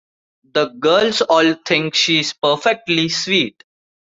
The girls all think she is perfectly sweet.